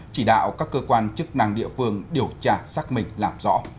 chỉ đạo các cơ quan chức năng địa phương điều tra xác minh làm rõ